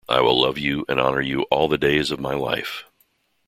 I will love you and honour you all the days of my life.